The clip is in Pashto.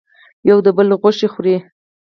یو د بل غوښې خوري.